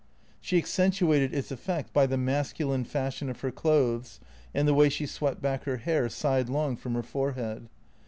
She accentuated its effect by the masculine fashion of her clothes and the way she swept back her hair sidelong from her forehead.